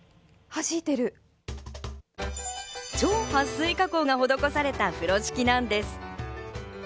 超撥水加工が施された風呂敷なんです。